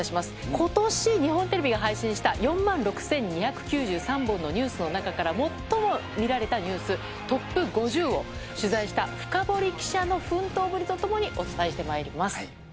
ことし、日本テレビが配信した４万６２９３本のニュースの中から、最も見られたニュースＴＯＰ５０を、取材したフカボリ記者の奮闘ぶりとともにお伝えしてまいります。